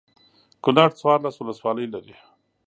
کنړ څوارلس ولسوالۍ لري.